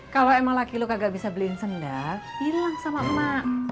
kalau emang laki lo kagak bisa beliin sendak bilang sama ma